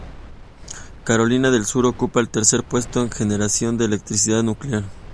Carolina del Sur ocupa el tercer puesto en generación de electricidad nuclear.